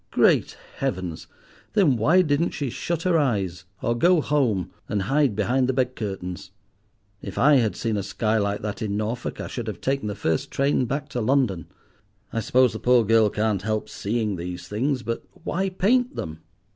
Great Heavens! then why didn't she shut her eyes or go home and hide behind the bed curtains? If I had seen a sky like that in Norfolk I should have taken the first train back to London. I suppose the poor girl can't help seeing these things, but why paint them?"